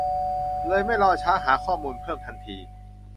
เลยไม่รอช้าหาข้อมูลเพิ่มทันที